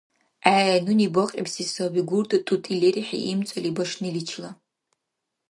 ГӀе, нуни бакьибси саби гурда тӀутӀи лерихӀи имцӀали башниличила.